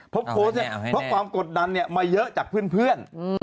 เพราะความกดดันเนี่ยมาเยอะจากเพื่อน